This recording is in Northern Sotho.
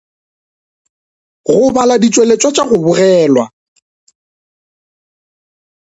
Go bala ditšweletšwa tša go bogelwa.